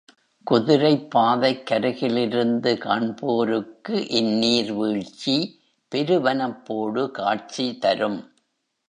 குதிரைப் பாதைக்கருகிலிருந்து காண்போருக்கு இந்நீர்வீழ்ச்சி பெருவனப்போடு காட்சி தரும்.